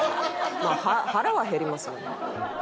まあ腹は減りますもんね。